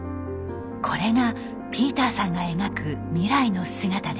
これがピーターさんが描く未来の姿です。